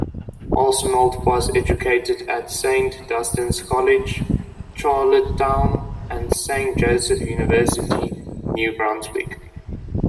Arsenault was educated at Saint Dunstan's College, Charlottetown, and Saint Joseph University, New Brunswick.